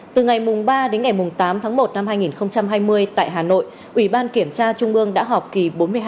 từ ngày ba đến ngày tám tháng một năm hai nghìn hai mươi tại hà nội ủy ban kiểm tra trung ương đã họp kỳ bốn mươi hai